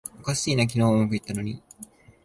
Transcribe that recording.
おかしいな、昨日はうまくいったのに